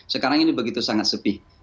sekarang ini begitu sangat sepi